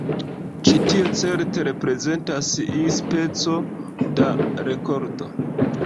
Ĉi-tio certe reprezentas iu speco da rekordo.